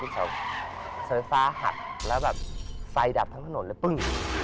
ที่จะเซอร์ฟ้าหักแล้วแบบไฟดับทั้งถนนแล้วปึ้ง